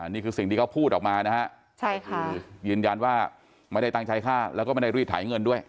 นี่คือสิ่งที่เขาพูดออกมานะฮะใช่ค่ะยืนยันว่าไม่ได้ตั้งใจฆ่าแล้วก็ไม่ได้รีดไถเงินด้วย